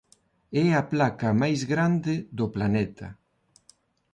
É a placa mais grande do planeta.